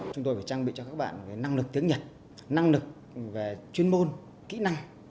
chúng tôi phải trang bị cho các bạn về năng lực tiếng nhật năng lực về chuyên môn kỹ năng